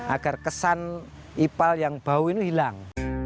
agar kesan ipal yang bau ini hilang